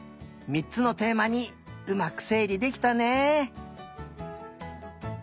３つのテーマにうまくせいりできたね。